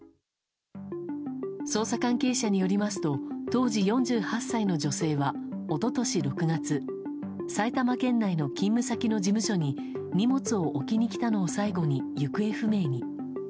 捜査関係者によりますと当時４８歳の女性は一昨年６月埼玉県内の勤務先の事務所に荷物を置きに来たのを最後に行方不明に。